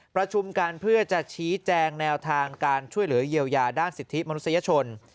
ประชุมกันเพื่อจะชี้แจงแนวทางการช่วยเหลือเยียวยาด้านสิทธิมนุษยชน